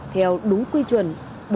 theo đúng quy chuẩn